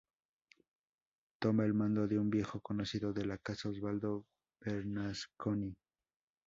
Toma el mando un viejo conocido de la casa Osvaldo Bernasconi.